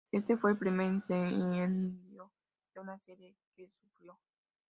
Este fue el primer incendio de una serie que sufrió.